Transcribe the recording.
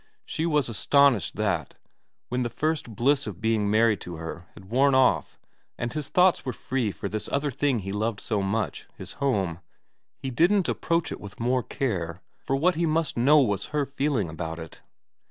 She was astonished that, when the first bliss of being married to her had worn off and his thoughts were free for this other thing he so much loved, his home, he didn't approach it with more care for what he must know was her feeling about it.